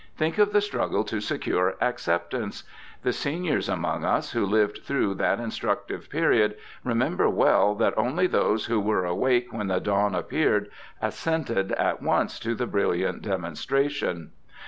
Think of the struggle to secure acceptance! The seniors among us who lived through that instructive period remember well that HARVEY 299 only those who were awake when the dawn appeared assented at once to the briUiant demonstration.